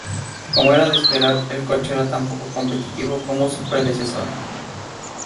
Como era de esperar, el coche era tan poco competitivo como su predecesor.